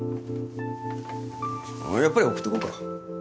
やっぱり送ってこうか？